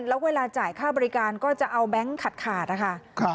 แล้วเวลาจ่ายค่าบริการก็จะเอาแบงค์ขาดนะคะ